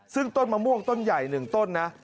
ซึ่งต้นมะม่วงต้นใหญ่๑ต้นนะ